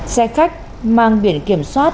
xe khách mang biển kiểm soát